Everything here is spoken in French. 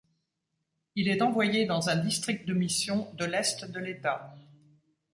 Il est envoyé dans un district de mission de l'Est de l'État.